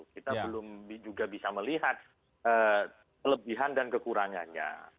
kita belum juga bisa melihat kelebihan dan kekurangannya